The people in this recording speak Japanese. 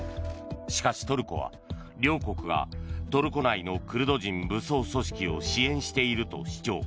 しかしトルコは、両国がトルコ内のクルド人武装組織を支援していると主張。